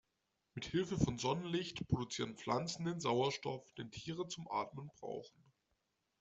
Mithilfe von Sonnenlicht produzieren Pflanzen den Sauerstoff, den Tiere zum Atmen brauchen.